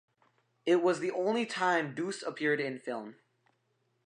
It was the only time Duse appeared in film.